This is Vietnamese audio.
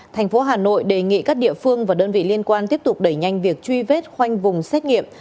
thành phố hà nội đề nghị các địa phương và đơn vị liên quan tiếp tục đẩy nhanh việc truy vết khoanh vùng xét nghiệm